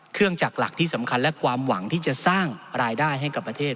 จากหลักที่สำคัญและความหวังที่จะสร้างรายได้ให้กับประเทศ